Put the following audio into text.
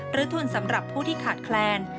ทุนสำหรับผู้ที่ขาดแคลน